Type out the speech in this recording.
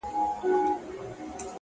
هره ورځ د نوې زده کړې امکان لري